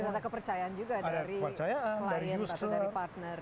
ada kepercayaan juga dari klience atau dari partner